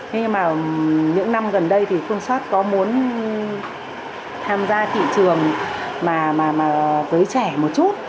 nhưng mà những năm gần đây thì phương sát có muốn tham gia thị trường với trẻ một chút